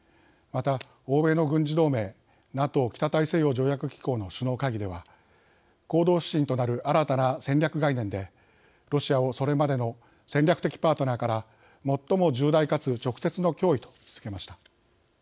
また、欧米の軍事同盟ＮＡＴＯ＝北大西洋条約機構の首脳会議では行動指針となる新たな戦略概念でロシアをそれまでの戦略的パートナーから最も重大かつ直接の脅威と位置づけました。